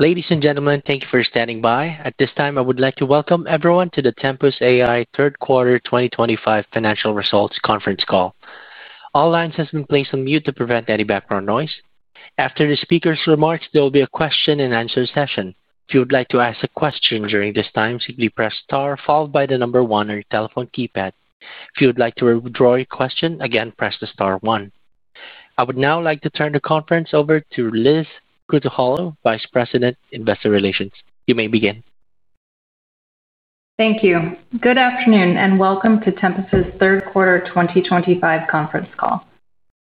Ladies and gentlemen, thank you for standing by. At this time, I would like to welcome everyone to the Tempus AI third quarter 2025 financial results conference call. All lines have been placed on mute to prevent any background noise. After the speaker's remarks, there will be a question-and-answer session. If you would like to ask a question during this time, simply press * followed by the number 1 on your telephone keypad. If you would like to withdraw your question, again, press the star one. I would now like to turn the conference over to Liz Krutoholow, Vice President, Investor Relations. You may begin. Thank you. Good afternoon and welcome to Tempus AI's third quarter 2025 conference call.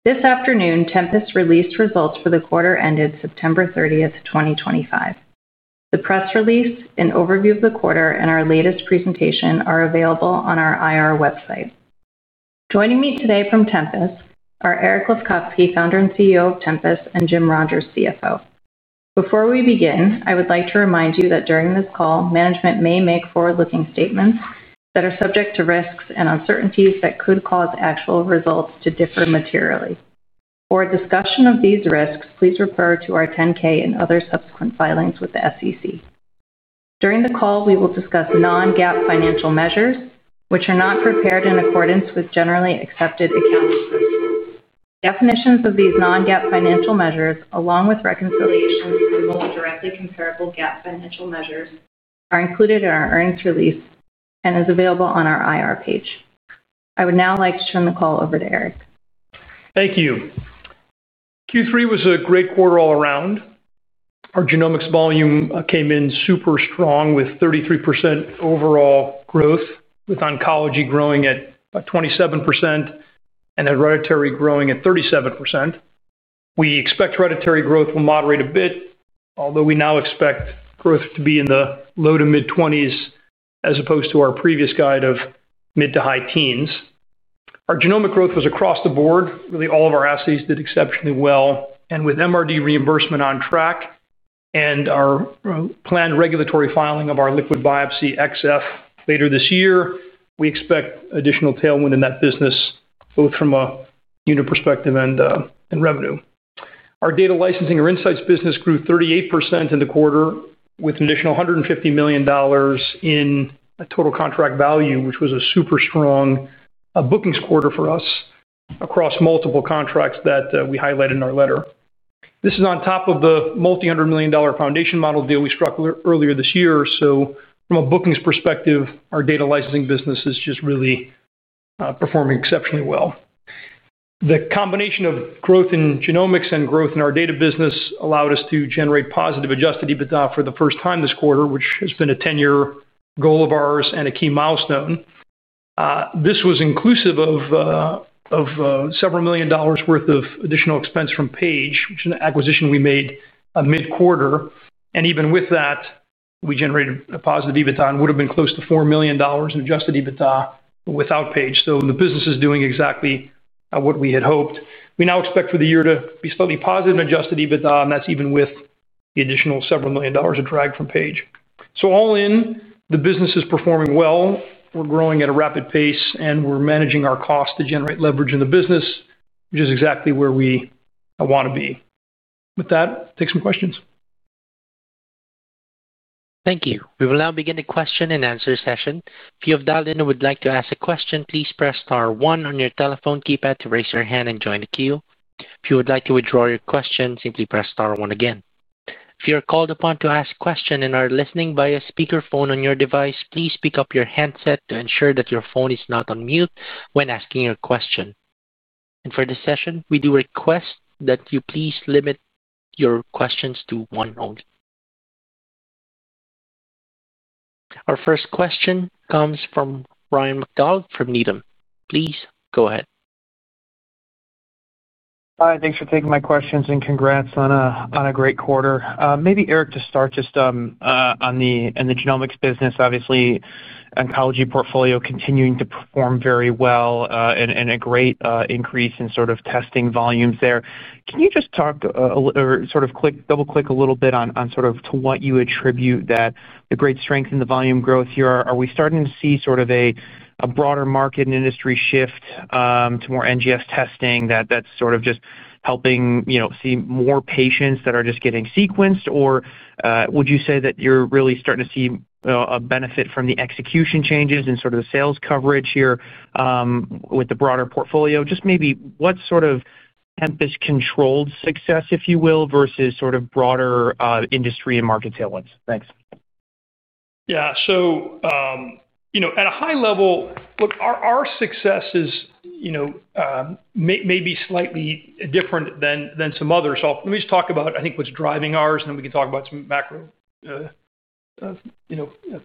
This afternoon, Tempus AI released results for the quarter ended September 30th, 2025. The press release, an overview of the quarter, and our latest presentation are available on our IR website. Joining me today from Tempus AI are Eric Lefkofsky, Founder and CEO of Tempus AI, and Jim Rogers, CFO. Before we begin, I would like to remind you that during this call, management may make forward-looking statements that are subject to risks and uncertainties that could cause actual results to differ materially. For a discussion of these risks, please refer to our 10-K and other subsequent filings with the SEC. During the call, we will discuss non-GAAP financial measures, which are not prepared in accordance with generally accepted accounting principles. Definitions of these non-GAAP financial measures, along with reconciliations to the most directly comparable GAAP financial measures, are included in our earnings release and are available on our IR page. I would now like to turn the call over to Eric. Thank you. Q3 was a great quarter all around. Our genomics volume came in super strong with 33% overall growth, with oncology growing at 27% and hereditary growing at 37%. We expect hereditary growth will moderate a bit, although we now expect growth to be in the low- to mid-20s as opposed to our previous guide of mid- to high teens. Our genomic growth was across the board. Really, all of our assays did exceptionally well, and with MRD reimbursement on track and our planned regulatory filing of our liquid biopsy xF later this year, we expect additional tailwind in that business, both from a unit perspective and revenue. Our data licensing or insights business grew 38% in the quarter, with an additional $150 million in total contract value, which was a super strong bookings quarter for us across multiple contracts that we highlighted in our letter. This is on top of the multi-hundred-million-dollar foundation model deal we struck earlier this year. From a bookings perspective, our data licensing business is just really performing exceptionally well. The combination of growth in genomics and growth in our data business allowed us to generate positive Adjusted EBITDA for the first time this quarter, which has been a 10-year goal of ours and a key milestone. This was inclusive of several million dollars' worth of additional expense from Paige, which is an acquisition we made mid-quarter. Even with that, we generated a positive EBITDA and would have been close to $4 million in Adjusted EBITDA without Paige. The business is doing exactly what we had hoped. We now expect for the year to be slightly positive in Adjusted EBITDA, and that's even with the additional several million dollars it dragged from Paige. All in, the business is performing well. We're growing at a rapid pace, and we're managing our cost to generate leverage in the business, which is exactly where we want to be. With that, take some questions. Thank you. We will now begin the question-and-answer session. If you have dialed in and would like to ask a question, please press *1 on your telephone keypad to raise your hand and join the queue. If you would like to withdraw your question, simply press *1 again. If you are called upon to ask a question and are listening via speakerphone on your device, please pick up your handset to ensure that your phone is not on mute when asking your question. And for this session, we do request that you please limit your questions to one only. Our first question comes from Ryan MacDonald from Needham. Please go ahead. Hi. Thanks for taking my questions and congrats on a great quarter. Maybe, Eric, to start just on the genomics business, obviously, oncology portfolio continuing to perform very well and a great increase in sort of testing volumes there. Can you just talk or sort of double-click a little bit on sort of to what you attribute that the great strength in the volume growth here? Are we starting to see sort of a broader market and industry shift to more NGS testing that's sort of just helping see more patients that are just getting sequenced? Or would you say that you're really starting to see a benefit from the execution changes and sort of the sales coverage here with the broader portfolio? Just maybe what sort of Tempus AI-controlled success, if you will, versus sort of broader industry and market tailwinds? Thanks. Yeah. So at a high level, look, our success is maybe slightly different than some others. So let me just talk about, I think, what's driving ours, and then we can talk about some macro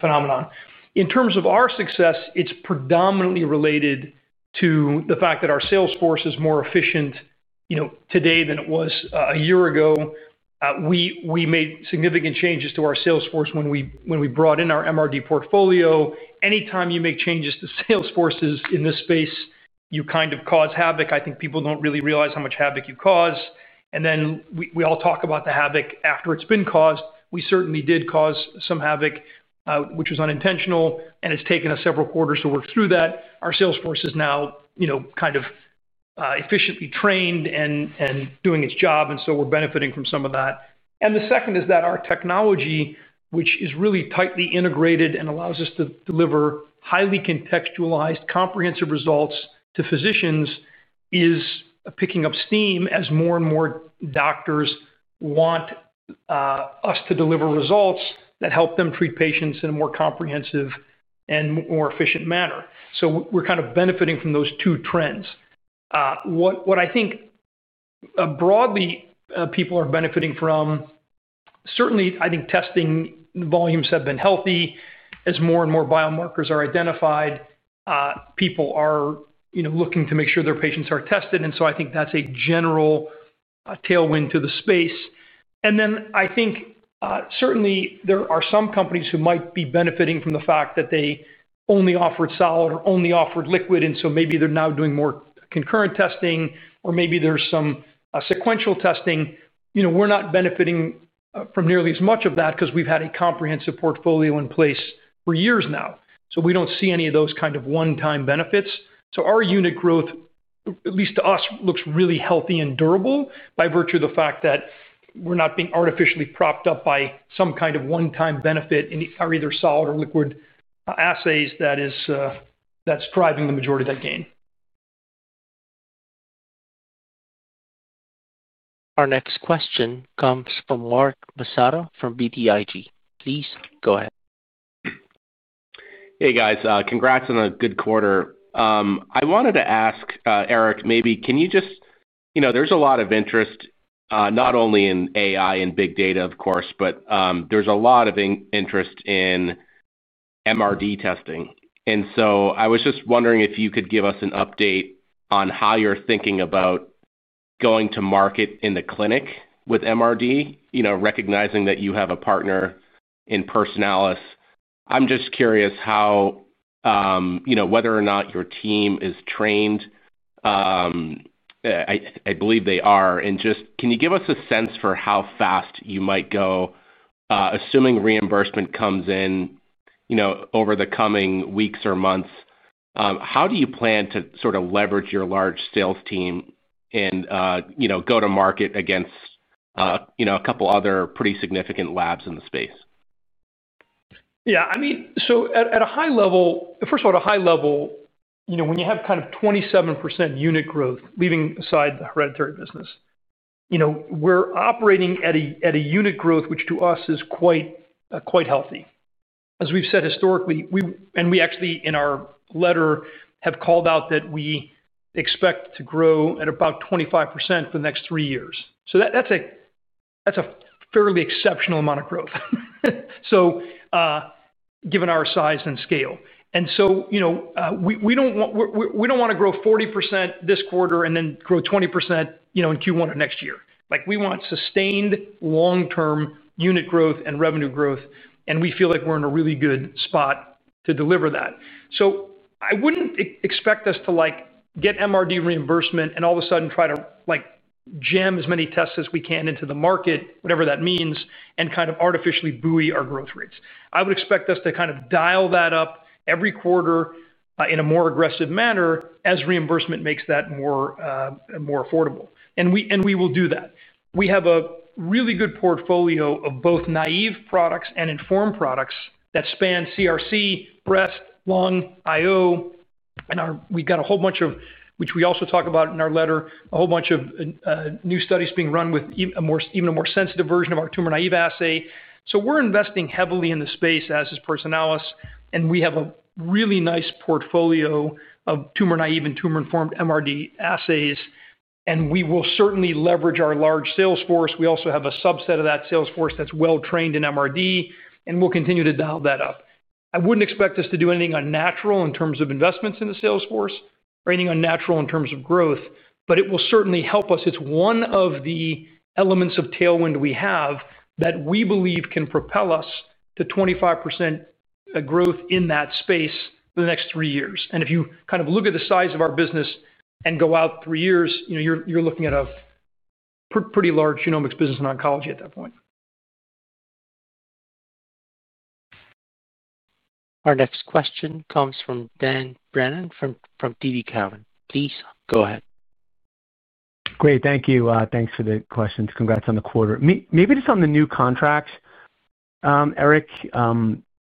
phenomenon. In terms of our success, it's predominantly related to the fact that our Salesforce is more efficient today than it was a year ago. We made significant changes to our Salesforce when we brought in our MRD portfolio. Anytime you make changes to Salesforces in this space, you kind of cause havoc. I think people don't really realize how much havoc you cause. And then we all talk about the havoc after it's been caused. We certainly did cause some havoc, which was unintentional, and it's taken us several quarters to work through that. Our Salesforce is now kind of efficiently trained and doing its job, and so we're benefiting from some of that. And the second is that our technology, which is really tightly integrated and allows us to deliver highly contextualized, comprehensive results to physicians, is picking up steam as more and more doctors want us to deliver results that help them treat patients in a more comprehensive and more efficient manner. So we're kind of benefiting from those two trends. What I think broadly people are benefiting from. Certainly, I think testing volumes have been healthy as more and more biomarkers are identified. People are looking to make sure their patients are tested. And so I think that's a general tailwind to the space. And then I think certainly there are some companies who might be benefiting from the fact that they only offered solid or only offered liquid, and so maybe they're now doing more concurrent testing, or maybe there's some sequential testing. We're not benefiting from nearly as much of that because we've had a comprehensive portfolio in place for years now. So we don't see any of those kind of one-time benefits. So our unit growth, at least to us, looks really healthy and durable by virtue of the fact that we're not being artificially propped up by some kind of one-time benefit in our either solid or liquid assays that is driving the majority of that gain. Our next question comes from Mark Massaro from BTIG. Please go ahead. Hey, guys. Congrats on a good quarter. I wanted to ask, Eric, maybe can you just, there's a lot of interest, not only in AI and big data, of course, but there's a lot of interest in MRD testing. And so I was just wondering if you could give us an update on how you're thinking about going to market in the clinic with MRD, recognizing that you have a partner in Personalis. I'm just curious how whether or not your team is trained. I believe they are. And just can you give us a sense for how fast you might go, assuming reimbursement comes in over the coming weeks or months? How do you plan to sort of leverage your large sales team and go to market against a couple of other pretty significant labs in the space? Yeah. I mean, so at a high level, first of all, at a high level, when you have kind of 27% unit growth, leaving aside the hereditary business. We're operating at a unit growth, which to us is quite healthy. As we've said historically, and we actually in our letter have called out that we expect to grow at about 25% for the next three years. So that's a fairly exceptional amount of growth. Given our size and scale, and so. We don't want to grow 40% this quarter and then grow 20% in Q1 of next year. We want sustained long-term unit growth and revenue growth, and we feel like we're in a really good spot to deliver that. So I wouldn't expect us to get MRD reimbursement and all of a sudden try to jam as many tests as we can into the market, whatever that means, and kind of artificially buoy our growth rates. I would expect us to kind of dial that up every quarter in a more aggressive manner as reimbursement makes that more affordable. And we will do that. We have a really good portfolio of both naive products and informed products that span CRC, breast, lung, IO. And we've got a whole bunch of, which we also talk about in our letter, a whole bunch of new studies being run with even a more sensitive version of our tumor-naive assay. So we're investing heavily in the space as is Personalis. And we have a really nice portfolio of tumor-naive and tumor-informed MRD assays. And we will certainly leverage our large Salesforce. We also have a subset of that Salesforce that's well-trained in MRD, and we'll continue to dial that up. I wouldn't expect us to do anything unnatural in terms of investments in the Salesforce or anything unnatural in terms of growth, but it will certainly help us. It's one of the elements of tailwind we have that we believe can propel us to 25% growth in that space for the next three years. And if you kind of look at the size of our business and go out three years, you're looking at a pretty large genomics business in oncology at that point. Our next question comes from Daniel Brennan from TD Cowen. Please go ahead. Great. Thank you. Thanks for the questions. Congrats on the quarter. Maybe just on the new contracts. Eric.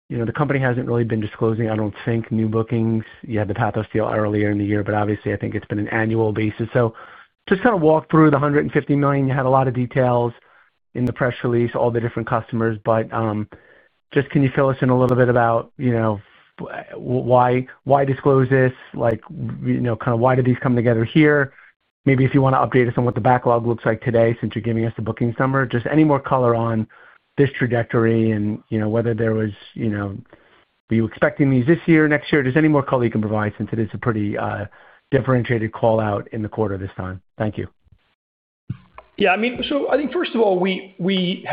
The company hasn't really been disclosing, I don't think, new bookings. You had the PathosAI deal earlier in the year, but obviously, I think it's been an annual basis. So just kind of walk through the $150 million. You had a lot of details in the press release, all the different customers. But. Just can you fill us in a little bit about. Why disclose this? Kind of why did these come together here? Maybe if you want to update us on what the backlog looks like today since you're giving us the booking summary, just any more color on this trajectory and whether there was. Were you expecting these this year, next year? Just any more color you can provide since it is a pretty differentiated call out in the quarter this time. Thank you. Yeah. I mean, so I think first of all, we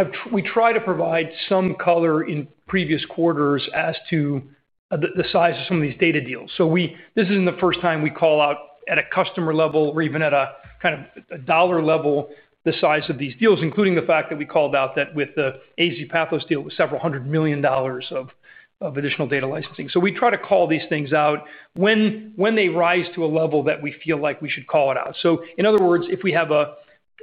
try to provide some color in previous quarters as to the size of some of these data deals. So this isn't the first time we call out at a customer level or even at a kind of dollar level the size of these deals, including the fact that we called out that with the AZ PathosAI deal with several hundred million dollars of additional data licensing. So we try to call these things out when they rise to a level that we feel like we should call it out. So in other words, if we have.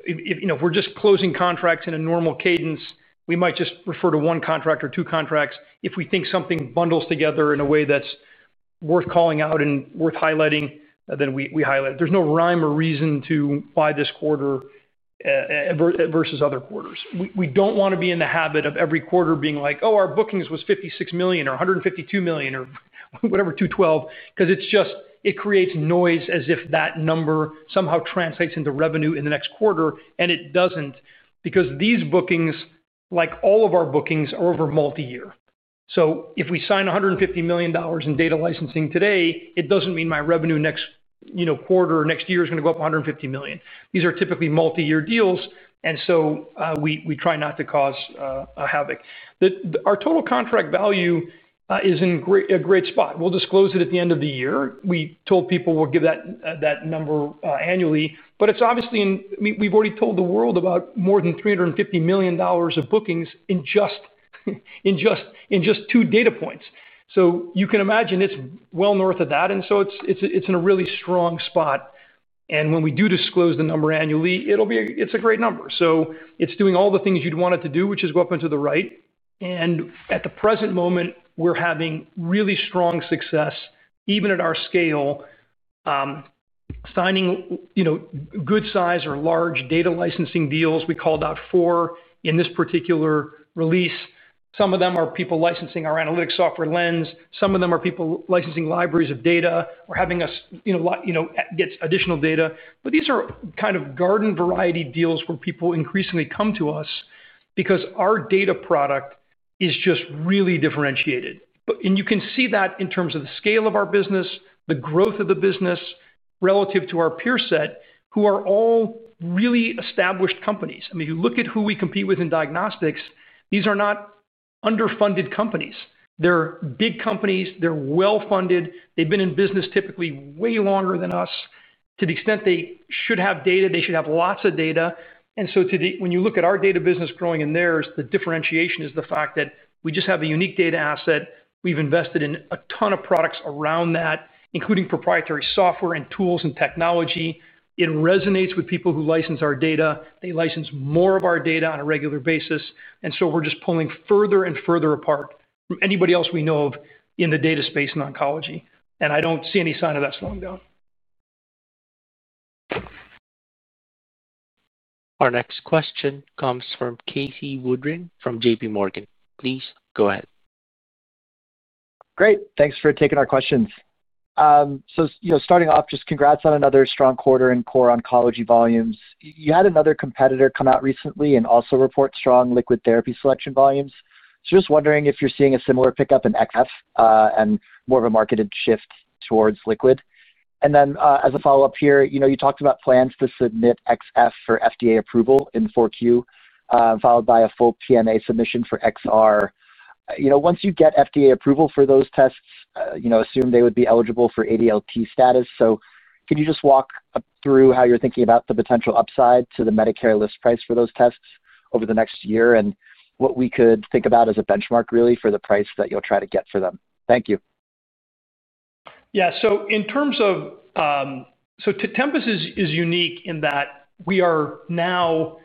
If we're just closing contracts in a normal cadence, we might just refer to one contract or two contracts. If we think something bundles together in a way that's worth calling out and worth highlighting, then we highlight it. There's no rhyme or reason to why this quarter versus other quarters. We don't want to be in the habit of every quarter being like, "Oh, our bookings was 56 million or 152 million or whatever, 212," because it creates noise as if that number somehow translates into revenue in the next quarter, and it doesn't because these bookings, like all of our bookings, are over multi-year. So if we sign $150 million in data licensing today, it doesn't mean my revenue next quarter or next year is going to go up 150 million. These are typically multi-year deals, and so we try not to cause a havoc. Our total contract value is in a great spot. We'll disclose it at the end of the year. We told people we'll give that number annually, but it's obviously we've already told the world about more than $350 million of bookings in just two data points. So you can imagine it's well north of that, and so it's in a really strong spot. And when we do disclose the number annually, it's a great number. So it's doing all the things you'd want it to do, which is go up into the right. And at the present moment, we're having really strong success, even at our scale signing good-sized or large data licensing deals. We called out four in this particular release. Some of them are people licensing our analytic software Lens. Some of them are people licensing libraries of data or having us get additional data. But these are kind of garden-variety deals where people increasingly come to us because our data product is just really differentiated. And you can see that in terms of the scale of our business, the growth of the business relative to our peer set, who are all really established companies. I mean, if you look at who we compete with in diagnostics, these are not underfunded companies. They're big companies. They're well-funded. They've been in business typically way longer than us. To the extent they should have data, they should have lots of data. And so when you look at our data business growing and theirs, the differentiation is the fact that we just have a unique data asset. We've invested in a ton of products around that, including proprietary software and tools and technology. It resonates with people who license our data. They license more of our data on a regular basis. And so we're just pulling further and further apart from anybody else we know of in the data space in oncology. And I don't see any sign of that slowing down. Our next question comes from Casey Woodring from JPMorgan. Please go ahead. Great. Thanks for taking our questions. So starting off, just congrats on another strong quarter in core oncology volumes. You had another competitor come out recently and also report strong liquid therapy selection volumes. So just wondering if you're seeing a similar pickup in xF and more of a marketed shift towards liquid. And then as a follow-up here, you talked about plans to submit xF for FDA approval in 4Q, followed by a full PMA submission for xR. Once you get FDA approval for those tests, assume they would be eligible for ADLT status. So can you just walk through how you're thinking about the potential upside to the Medicare list price for those tests over the next year and what we could think about as a benchmark really for the price that you'll try to get for them? Thank you. Yeah. So, in terms of, Tempus AI is unique in that we are now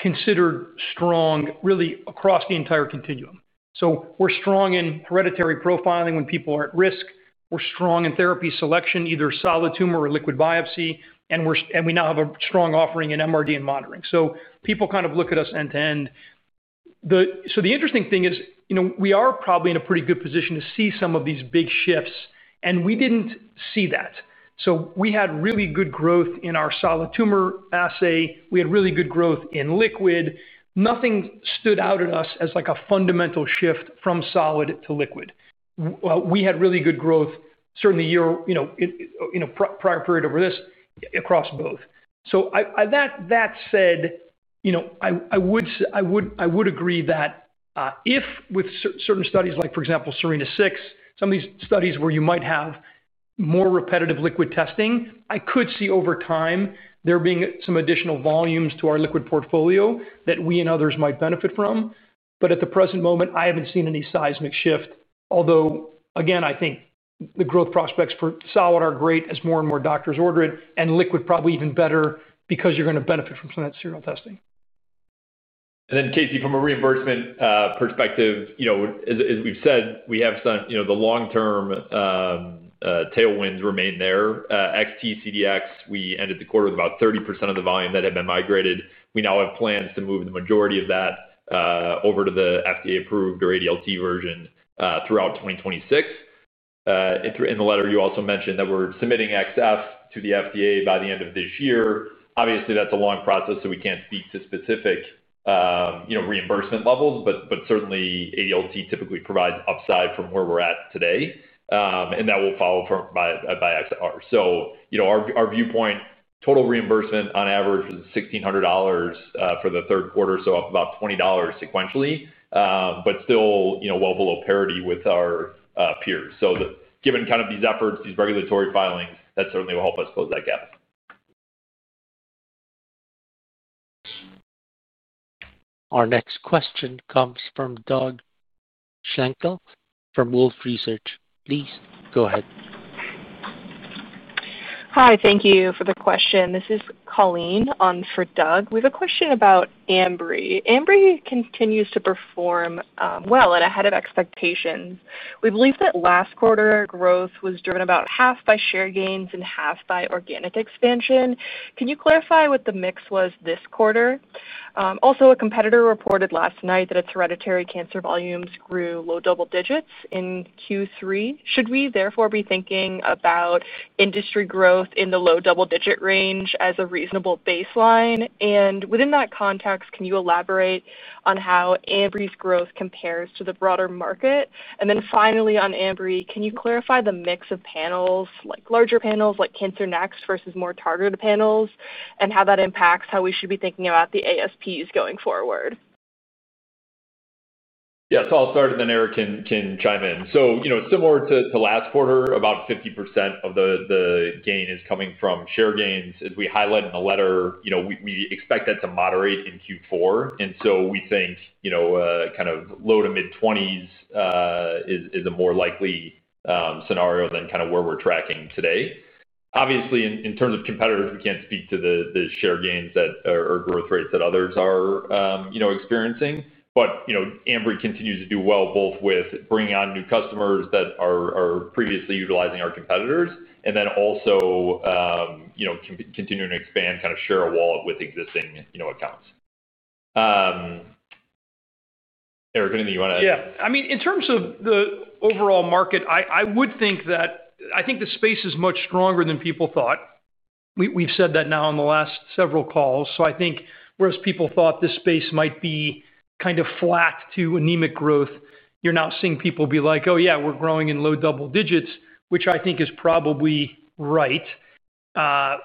considered strong really across the entire continuum. We're strong in hereditary profiling when people are at risk. We're strong in therapy selection, either solid tumor or liquid biopsy. And we now have a strong offering in MRD and monitoring. So people kind of look at us end-to-end. The interesting thing is we are probably in a pretty good position to see some of these big shifts, and we didn't see that. We had really good growth in our solid tumor assay. We had really good growth in liquid. Nothing stood out at us as a fundamental shift from solid to liquid. We had really good growth, certainly, prior period over this across both. That said, I would agree that if with certain studies like, for example, SERENA 6, some of these studies where you might have more repetitive liquid testing, I could see over time there being some additional volumes to our liquid portfolio that we and others might benefit from. But at the present moment, I haven't seen any seismic shift, although, again, I think the growth prospects for solid are great as more and more doctors order it, and liquid probably even better because you're going to benefit from some of that serial testing. And then, Casey, from a reimbursement perspective. As we've said, we have the long-term tailwinds remain there. xT, CDX, we ended the quarter with about 30% of the volume that had been migrated. We now have plans to move the majority of that over to the FDA-approved or ADLT version throughout 2026. In the letter, you also mentioned that we're submitting xF to the FDA by the end of this year. Obviously, that's a long process, so we can't speak to specific reimbursement levels, but certainly ADLT typically provides upside from where we're at today. And that will follow by xR. So our viewpoint, total reimbursement on average was $1,600 for the third quarter, so up about $20 sequentially, but still well below parity with our peers. So given kind of these efforts, these regulatory filings, that certainly will help us close that gap. Our next question comes from Doug Shankle from Wolfe Research. Please go ahead. Hi. Thank you for the question. This is Colleen on for Doug. We have a question about Ambry. Ambry continues to perform well and ahead of expectations. We believe that last quarter growth was driven about half by share gains and half by organic expansion. Can you clarify what the mix was this quarter? Also, a competitor reported last night that its hereditary cancer volumes grew low double digits in Q3. Should we therefore be thinking about industry growth in the low double-digit range as a reasonable baseline? And within that context, can you elaborate on how Ambry's growth compares to the broader market? And then finally, on Ambry, can you clarify the mix of panels, like larger panels like Cancer Next versus more targeted panels, and how that impacts how we should be thinking about the ASPs going forward? Yeah. So I'll start, and then Eric can chime in. So similar to last quarter, about 50% of the gain is coming from share gains. As we highlight in the letter, we expect that to moderate in Q4. And so we think kind of low- to mid-20s is a more likely scenario than kind of where we're tracking today. Obviously, in terms of competitors, we can't speak to the share gains or growth rates that others are experiencing. But Ambry continues to do well, both with bringing on new customers that are previously utilizing our competitors, and then also continuing to expand kind of share a wallet with existing accounts. Eric, anything you want to add? Yeah. I mean, in terms of the overall market, I would think that I think the space is much stronger than people thought. We've said that now in the last several calls. So I think whereas people thought this space might be kind of flat to anemic growth, you're now seeing people be like, "Oh, yeah, we're growing in low double digits," which I think is probably right.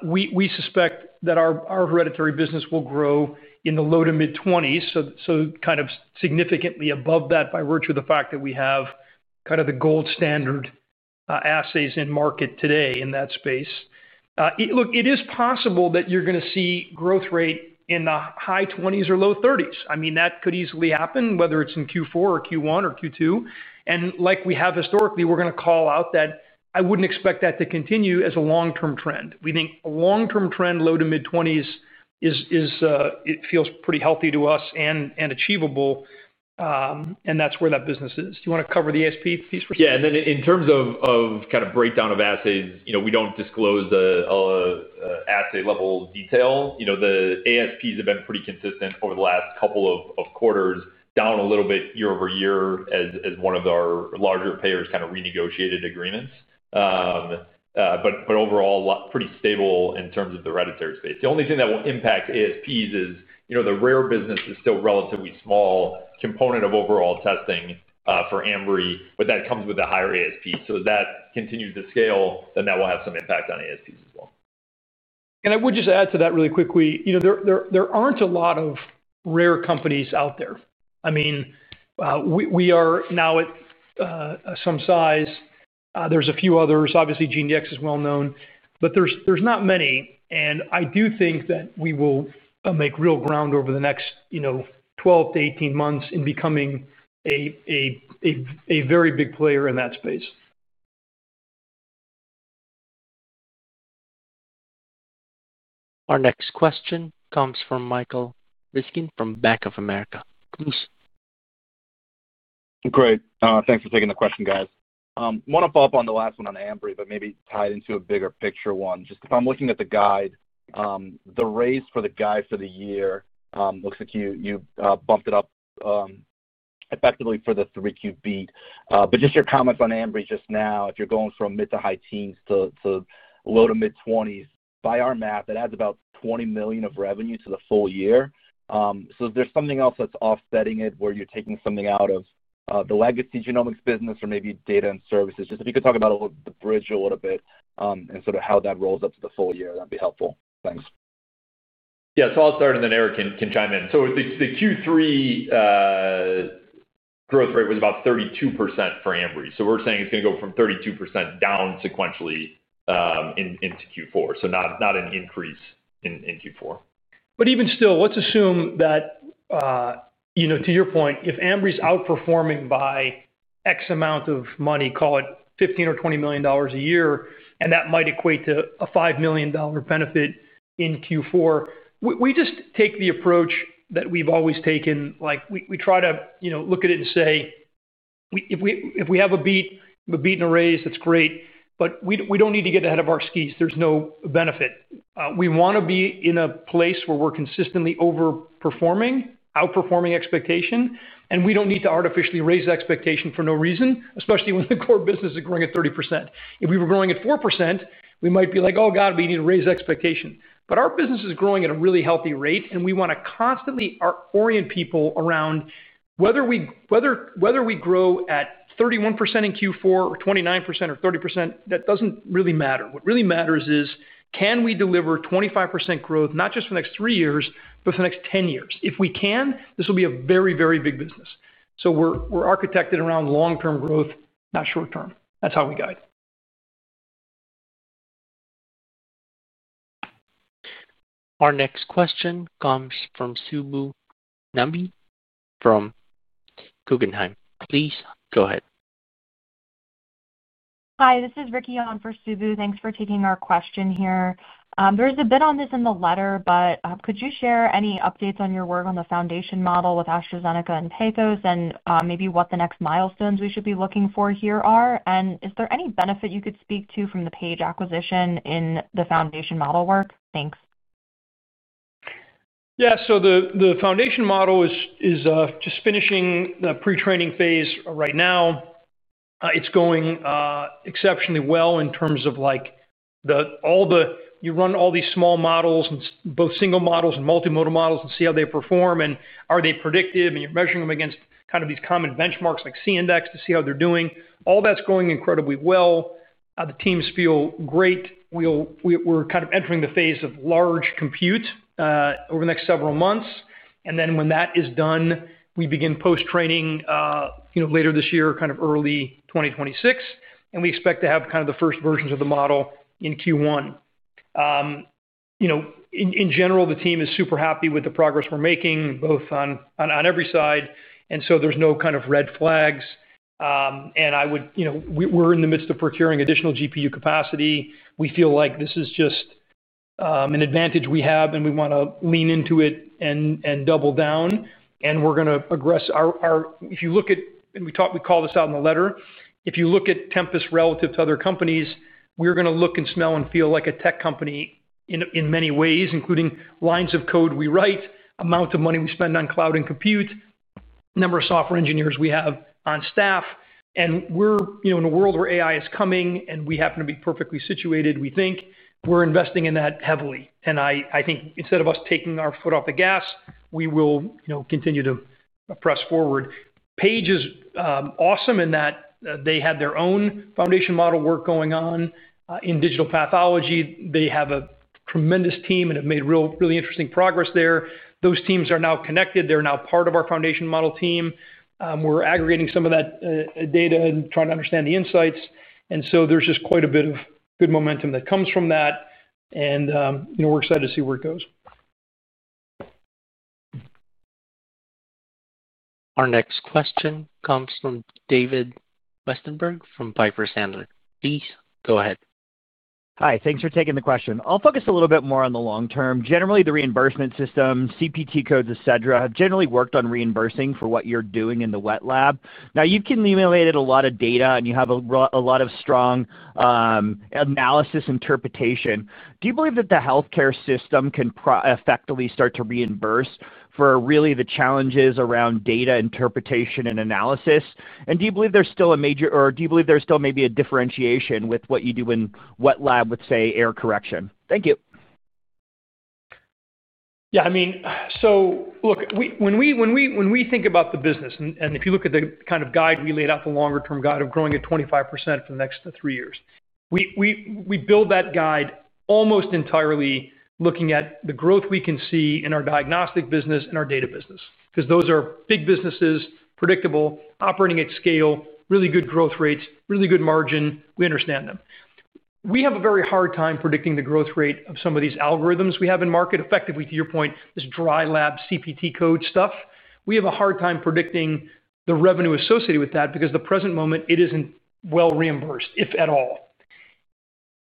We suspect that our hereditary business will grow in the low to mid-20s, so kind of significantly above that by virtue of the fact that we have kind of the gold standard assays in market today in that space. Look, it is possible that you're going to see growth rate in the high 20s or low 30s. I mean, that could easily happen, whether it's in Q4 or Q1 or Q2. And like we have historically, we're going to call out that I wouldn't expect that to continue as a long-term trend. We think a long-term trend, low to mid-20s. Feels pretty healthy to us and achievable. And that's where that business is. Do you want to cover the ASP piece first? Yeah. And then, in terms of kind of breakdown of assays, we don't disclose assay-level detail. The ASPs have been pretty consistent over the last couple of quarters, down a little bit year over year as one of our larger payers kind of renegotiated agreements, but overall, pretty stable in terms of the hereditary space. The only thing that will impact ASPs is the rare business is still relatively small component of overall testing for Ambry, but that comes with a higher ASP. So as that continues to scale, then that will have some impact on ASPs as well. I would just add to that really quickly. There aren't a lot of rare companies out there. I mean, we are now at some size. There's a few others. Obviously, GeneDx is well-known, but there's not many. I do think that we will make real ground over the next 12-18 months in becoming a very big player in that space. Our next question comes from Michael Ryskin from Bank of America. Please. Great. Thanks for taking the question, guys. I want to follow up on the last one on Ambry, but maybe tie it into a bigger picture one. Just if I'm looking at the guide, the raise for the guide for the year looks like you bumped it up. Effectively for the 3Q beat. But just your comments on Ambry just now, if you're going from mid to high teens to low to mid-20s, by our math, it adds about $20 million of revenue to the full year. So if there's something else that's offsetting it where you're taking something out of the legacy genomics business or maybe data and services, just if you could talk about the bridge a little bit and sort of how that rolls up to the full year, that'd be helpful. Thanks. Yeah. So I'll start, and then Eric can chime in. So the Q3 growth rate was about 32% for Ambry. So we're saying it's going to go from 32% down sequentially into Q4. So not an increase in Q4. But even still, let's assume that. To your point, if Ambry's outperforming by X amount of money, call it $15-$20 million a year, and that might equate to a $5 million benefit in Q4, we just take the approach that we've always taken. We try to look at it and say, "If we have a beat, a beat and a raise, that's great." But we don't need to get ahead of our skis. There's no benefit. We want to be in a place where we're consistently overperforming, outperforming expectation, and we don't need to artificially raise expectation for no reason, especially when the core business is growing at 30%. If we were growing at 4%, we might be like, "Oh, God, we need to raise expectation." But our business is growing at a really healthy rate, and we want to constantly orient people around whether we grow at 31% in Q4 or 29% or 30%, that doesn't really matter. What really matters is, can we deliver 25% growth, not just for the next three years, but for the next 10 years? If we can, this will be a very, very big business. So we're architected around long-term growth, not short-term. That's how we guide. Our next question comes from Subbu Nambi from Guggenheim. Please go ahead. Hi. This is Ricky on for Subbu. Thanks for taking our question here. There was a bit on this in the letter, but could you share any updates on your work on the foundation model with AstraZeneca and PathosAI, and maybe what the next milestones we should be looking for here are? And is there any benefit you could speak to from the Paige acquisition in the foundation model work? Thanks. Yeah. So the foundation model is just finishing the pretraining phase right now. It's going exceptionally well in terms of. You run all these small models, both single models and multimodal models, and see how they perform, and are they predictive, and you're measuring them against kind of these common benchmarks like C-Index to see how they're doing. All that's going incredibly well. The teams feel great. We're kind of entering the phase of large compute over the next several months. And then when that is done, we begin post-training later this year, kind of early 2026, and we expect to have kind of the first versions of the model in Q1. In general, the team is super happy with the progress we're making, both on every side, and so there's no kind of red flags. And I would. We're in the midst of procuring additional GPU capacity. We feel like this is just. An advantage we have, and we want to lean into it and double down. And we're going to address our, if you look at, and we call this out in the letter, if you look at Tempus AI relative to other companies, we're going to look and smell and feel like a tech company. In many ways, including lines of code we write, amount of money we spend on cloud and compute, number of software engineers we have on staff. And we're in a world where AI is coming, and we happen to be perfectly situated, we think. We're investing in that heavily. And I think instead of us taking our foot off the gas, we will continue to press forward. Paige is awesome in that they had their own foundation model work going on. In digital pathology, they have a tremendous team and have made really interesting progress there. Those teams are now connected. They're now part of our foundation model team. We're aggregating some of that data and trying to understand the insights. And so there's just quite a bit of good momentum that comes from that. And we're excited to see where it goes. Our next question comes from David Westenberg from Piper Sandler. Please go ahead. Hi. Thanks for taking the question. I'll focus a little bit more on the long term. Generally, the reimbursement system, CPT codes, et cetera, have generally worked on reimbursing for what you're doing in the wet lab. Now, you've accumulated a lot of data, and you have a lot of strong analysis interpretation. Do you believe that the healthcare system can effectively start to reimburse for really the challenges around data interpretation and analysis? And do you believe there's still a major, or do you believe there's still maybe a differentiation with what you do in wet lab with, say, error correction? Thank you. Yeah. I mean, so look, when we think about the business, and if you look at the kind of guide we laid out, the longer-term guide of growing at 25% for the next three years, we build that guide almost entirely looking at the growth we can see in our diagnostic business and our data business. Because those are big businesses, predictable, operating at scale, really good growth rates, really good margin. We understand them. We have a very hard time predicting the growth rate of some of these algorithms we have in market. Effectively, to your point, this dry lab CPT code stuff, we have a hard time predicting the revenue associated with that because at the present moment, it isn't well reimbursed, if at all.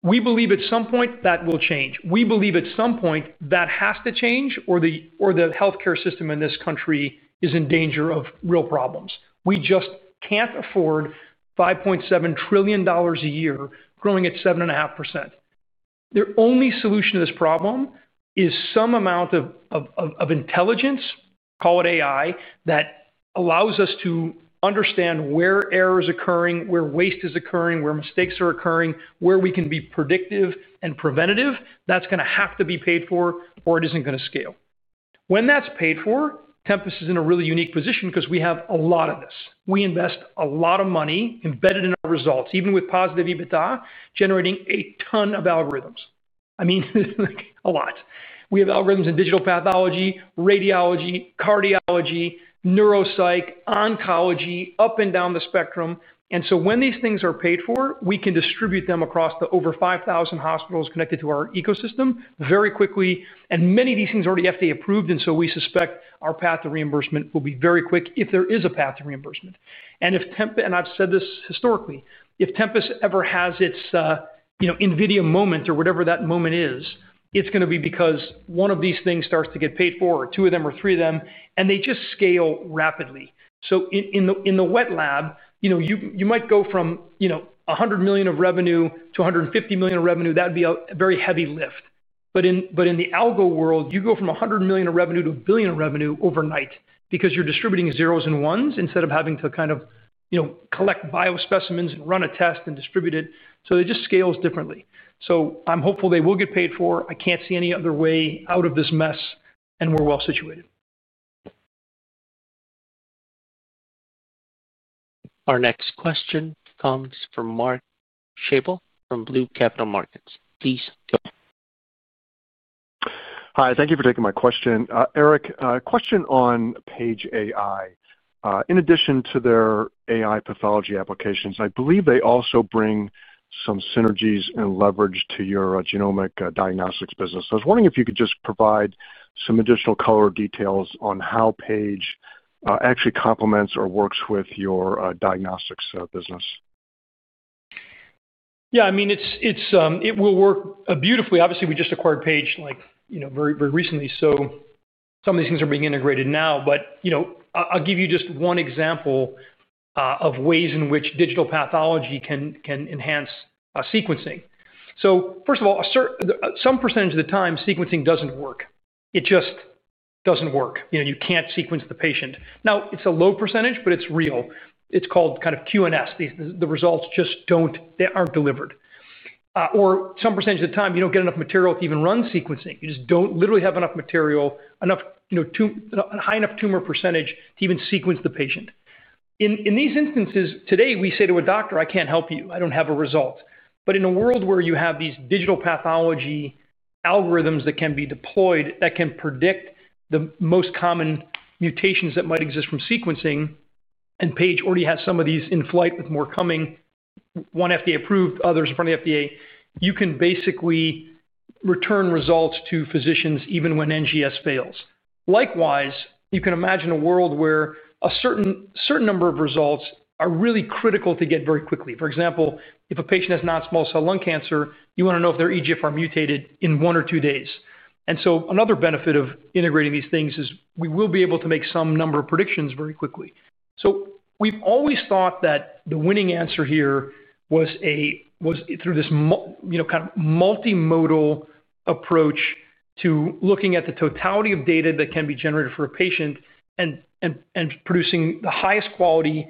We believe at some point that will change. We believe at some point that has to change or the healthcare system in this country is in danger of real problems. We just can't afford $5.7 trillion a year growing at 7.5%. The only solution to this problem is some amount of intelligence, call it AI, that allows us to understand where error is occurring, where waste is occurring, where mistakes are occurring, where we can be predictive and preventative. That's going to have to be paid for, or it isn't going to scale. When that's paid for, Tempus AI is in a really unique position because we have a lot of this. We invest a lot of money embedded in our results, even with positive EBITDA, generating a ton of algorithms. I mean, a lot. We have algorithms in digital pathology, radiology, cardiology, neuropsych, oncology, up and down the spectrum. And so when these things are paid for, we can distribute them across the over 5,000 hospitals connected to our ecosystem very quickly. And many of these things already have to be approved. And so we suspect our path of reimbursement will be very quick if there is a path of reimbursement. And I've said this historically, if Tempus AI ever has its NVIDIA moment or whatever that moment is, it's going to be because one of these things starts to get paid for, two of them or three of them, and they just scale rapidly. So in the wet lab, you might go from 100 million of revenue to 150 million of revenue. That would be a very heavy lift. But in the algo world, you go from 100 million of revenue to a billion of revenue overnight because you're distributing zeros and ones instead of having to kind of collect biospecimens and run a test and distribute it. So it just scales differently. So I'm hopeful they will get paid for. I can't see any other way out of this mess, and we're well situated. Our next question comes from Mark Schappel from Loop Capital Markets. Please go. Hi. Thank you for taking my question. Eric, question on Paige AI. In addition to their AI pathology applications, I believe they also bring some synergies and leverage to your genomic diagnostics business. I was wondering if you could just provide some additional color details on how Paige AI actually complements or works with your diagnostics business. Yeah. I mean, it will work beautifully. Obviously, we just acquired Paige AI very recently. So some of these things are being integrated now. But I'll give you just one example of ways in which digital pathology can enhance sequencing. So first of all, some percentage of the time, sequencing doesn't work. It just doesn't work. You can't sequence the patient. Now, it's a low percentage, but it's real. It's called kind of QNS. The results just aren't delivered. Or some percentage of the time, you don't get enough material to even run sequencing. You just don't literally have enough material, high enough tumor percentage to even sequence the patient. In these instances, today, we say to a doctor, "I can't help you. I don't have a result." But in a world where you have these digital pathology algorithms that can be deployed that can predict the most common mutations that might exist from sequencing, and Paige AI already has some of these in flight with more coming, one FDA approved, others in front of the FDA, you can basically return results to physicians even when NGS fails. Likewise, you can imagine a world where a certain number of results are really critical to get very quickly. For example, if a patient has non-small cell lung cancer, you want to know if their EGFR mutated in one or two days. And so another benefit of integrating these things is we will be able to make some number of predictions very quickly. So we've always thought that the winning answer here was through this kind of multimodal approach to looking at the totality of data that can be generated for a patient and producing the highest quality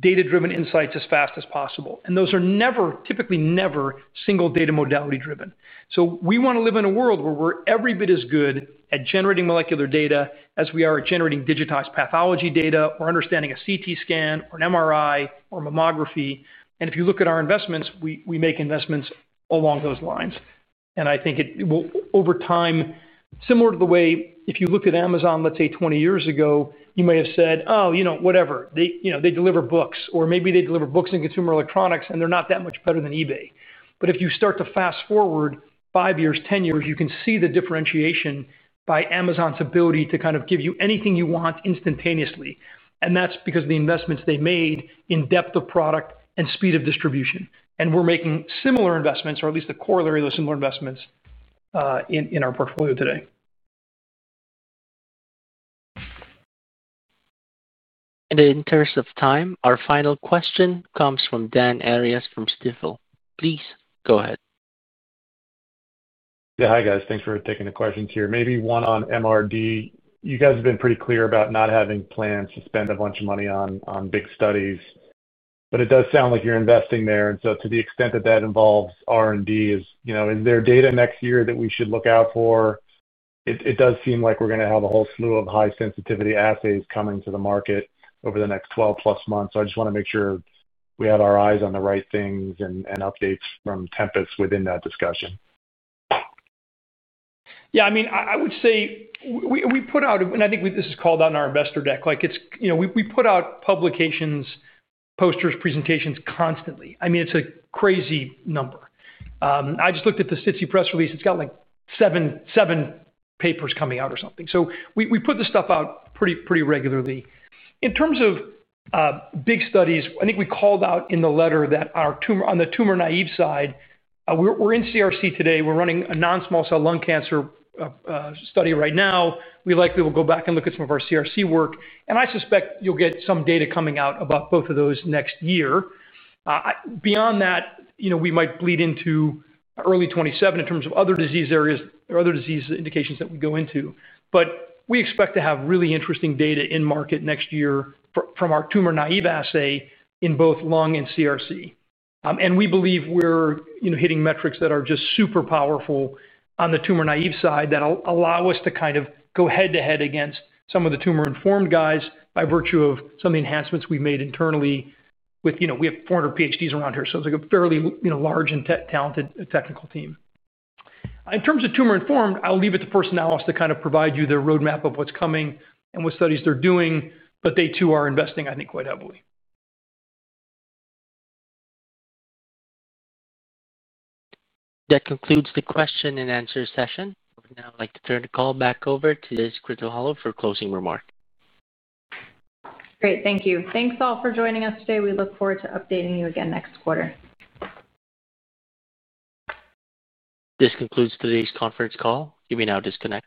data-driven insights as fast as possible. And those are typically never single data modality driven. So we want to live in a world where we're every bit as good at generating molecular data as we are at generating digitized pathology data or understanding a CT scan or an MRI or mammography. And if you look at our investments, we make investments along those lines. And I think over time, similar to the way if you looked at Amazon, let's say, 20 years ago, you might have said, "Oh, whatever. They deliver books." Or maybe they deliver books in consumer electronics, and they're not that much better than eBay. But if you start to fast forward 5 years, 10 years, you can see the differentiation by Amazon's ability to kind of give you anything you want instantaneously. And that's because of the investments they made in depth of product and speed of distribution. And we're making similar investments, or at least the corollary of those similar investments in our portfolio today. In terms of time, our final question comes from Dan Arias from Stifel. Please go ahead. Yeah. Hi, guys. Thanks for taking the questions here. Maybe one on MRD. You guys have been pretty clear about not having plans to spend a bunch of money on big studies. But it does sound like you're investing there. And so to the extent that that involves R&D, is there data next year that we should look out for? It does seem like we're going to have a whole slew of high-sensitivity assays coming to the market over the next 12-plus months. So I just want to make sure we have our eyes on the right things and updates from Tempus AI within that discussion. Yeah. I mean, I would say we put out, and I think this is called out in our investor deck, we put out publications, posters, presentations constantly. I mean, it's a crazy number. I just looked at the SITC press release. It's got like seven papers coming out or something. So we put this stuff out pretty regularly. In terms of big studies, I think we called out in the letter that on the tumor naive side, we're in CRC today. We're running a non-small cell lung cancer study right now. We likely will go back and look at some of our CRC work. And I suspect you'll get some data coming out about both of those next year. Beyond that, we might bleed into early 2027 in terms of other disease areas or other disease indications that we go into. But we expect to have really interesting data in market next year from our tumor naive assay in both lung and CRC. And we believe we're hitting metrics that are just super powerful on the tumor naive side that allow us to kind of go head-to-head against some of the tumor-informed guys by virtue of some of the enhancements we've made internally with we have 400 PhDs around here. So it's like a fairly large and talented technical team. In terms of tumor-informed, I'll leave it to Personalis to kind of provide you their roadmap of what's coming and what studies they're doing. But they, too, are investing, I think, quite heavily. That concludes the question and answer session. I'd now like to turn the call back over to Liz Krutoholow for closing remarks. Great. Thank you. Thanks all for joining us today. We look forward to updating you again next quarter. This concludes today's conference call. Give me an hour to disconnect.